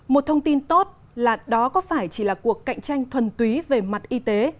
một thông tin tốt là đó có phải chỉ là cuộc cạnh tranh thuần túy về mặt y tế